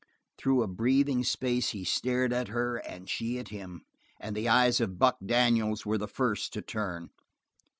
Through a breathing space he stared at her and she at him, and the eyes of Buck Daniels were the first to turn.